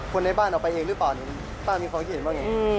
คนในบ้านเอาไปเองหรือเปล่าบ้านมีความคิดว่าอย่างไร